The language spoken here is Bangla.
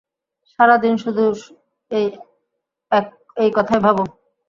সারা দিন শুধু এই কথাই ভাবো।